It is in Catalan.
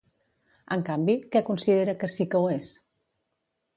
En canvi, què considera que sí que ho és?